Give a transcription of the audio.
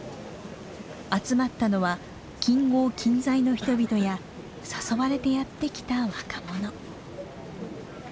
集まったのは近郷近在の人々や誘われてやって来た若者。